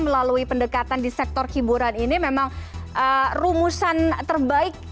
melalui pendekatan di sektor hiburan ini memang rumusan terbaik